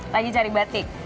lagi cari batik